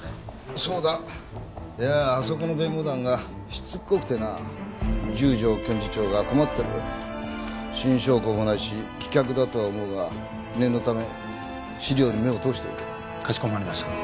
そうだあそこの弁護団がしつこくてな十条検事長が困ってる新証拠もないし棄却だとは思うが念のため資料に目を通しておけかしこまりました